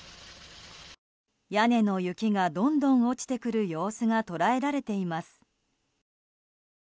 屋根の雪がどんどん落ちてくる様子が捉えられています。